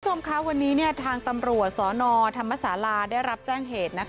คุณผู้ชมคะวันนี้ทางตำรวจสนธรรมศาลาได้รับแจ้งเหตุ